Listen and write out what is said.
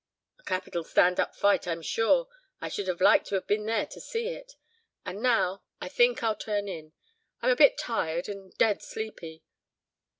"A capital stand up fight, I'm sure. I should like to have been there to see it. And now, I think I'll turn in. I'm a bit tired, and dead sleepy.